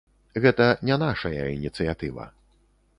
Гэта не нашая ініцыятыва.